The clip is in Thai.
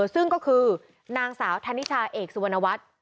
ซึ่งก็คือนางสาวธนิชาเอกสุวรรณวัฒน์